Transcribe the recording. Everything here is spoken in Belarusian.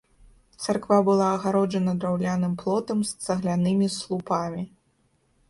Царква была агароджана драўляным плотам з цаглянымі слупамі.